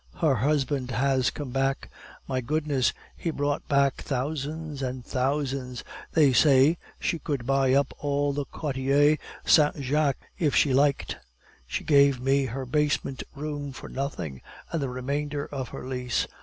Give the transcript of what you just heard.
Her husband has come back. My goodness, he brought back thousands and thousands. They say she could buy up all the Quartier Saint Jacques if she liked. She gave me her basement room for nothing, and the remainder of her lease.